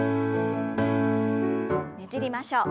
ねじりましょう。